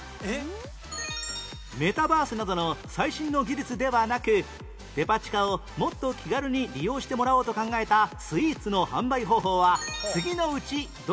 メタバースなどの最新の技術ではなくデパ地下をもっと気軽に利用してもらおうと考えたスイーツの販売方法は次のうちどれでしょう？